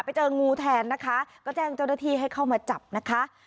ไปเจองูแทนนะคะก็แจ้งเจ้าหน้าที่ให้เข้ามาจับนะคะ